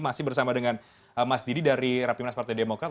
masih bersama dengan mas didi dari rapimnas partai demokrat